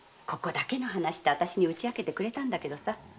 「ここだけの話」って打ち明けてくれたんだけどさ